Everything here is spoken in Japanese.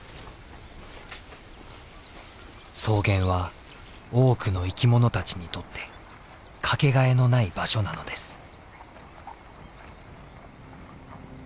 草原は多くの生き物たちにとって掛けがえのない場所なのです。